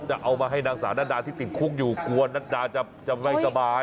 จะเอามาให้นางสาวนัดดาที่ติดคุกอยู่กลัวนัดดาจะไม่สบาย